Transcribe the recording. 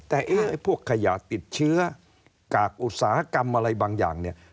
แต่เอ๊ะไอ้พวกขยะติดเชื้อกากอุตสาหกรรมอะไรบางอย่างเนี่ย